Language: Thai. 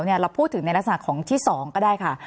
เราพูดถึงในลักษณะของที่๒ก็ได้ค่ะ